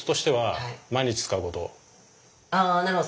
ああなるほど。